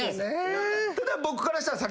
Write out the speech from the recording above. ただ僕からしたら。